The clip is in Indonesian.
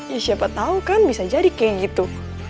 ya siapa tahu kan bisa jadi kayak gitu